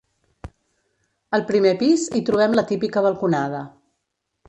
Al primer pis hi trobem la típica balconada.